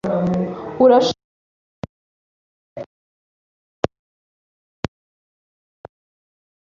Urashobora kugura itike nyuma yo kwinjira muri gari ya moshi?